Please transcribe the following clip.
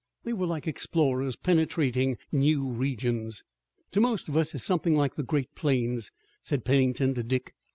They were like explorers, penetrating new regions. "To most of us it's something like the great plains," said Pennington to Dick.